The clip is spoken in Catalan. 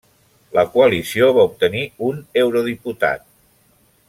La coalició va obtenir un eurodiputat.